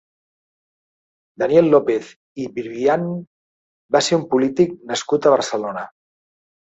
Daniel López i Bribian va ser un polític nascut a Barcelona.